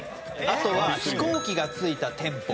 あとは飛行機が付いた店舗。